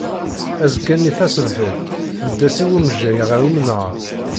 Azekkan-nni tasebḥit tbed-as i wemjay ɣef umnar.